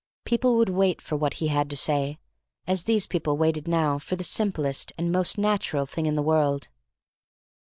People would wait for what he had to say, as these people waited now for the simplest and most natural thing in the world.